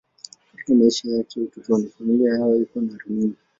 Katika maisha yake ya utotoni, familia yao haikuwa na runinga.